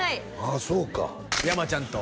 あそうか山ちゃんと？